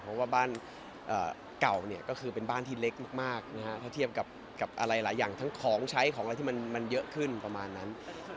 เพราะว่าบ้านเก่าเนี่ยก็คือเป็นบ้านที่เล็กมากนะฮะถ้าเทียบกับอะไรหลายอย่างทั้งของใช้ของอะไรที่มันเยอะขึ้นประมาณนั้น